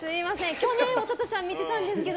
去年、一昨年は見てたんですけど。